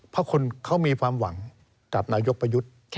เพราะคนเขามีความหวังกับนายกประยุทธ์